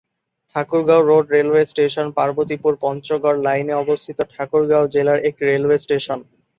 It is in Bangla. Thakurgaon road railway station Parbatipur-Panchagarh লাইনে অবস্থিত ঠাকুরগাঁও জেলার একটি রেলওয়ে স্টেশন।